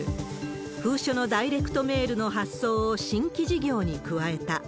封書のダイレクトメールの発送を新規事業に加えた。